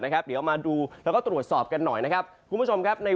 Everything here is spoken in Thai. เดี๋ยวมาดูแล้วก็ตรวจสอบกันหน่อย